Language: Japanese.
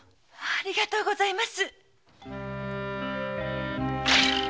ありがとうございます！